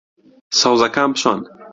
سەوزەکان بشۆن.